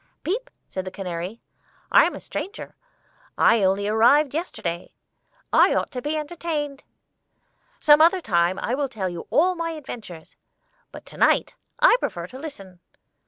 "Peep," said the canary. "I'm a stranger; I only arrived yesterday, and I ought to be entertained. Some other time I will tell you all my adventures, but to night I prefer to listen.